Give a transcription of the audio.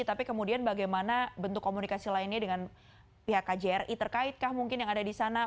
tapi kemudian bagaimana bentuk komunikasi lainnya dengan pihak kjri terkaitkah mungkin yang ada di sana